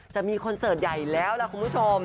คอนเสิร์ตใหญ่แล้วล่ะคุณผู้ชม